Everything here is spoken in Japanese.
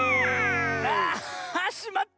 あしまった！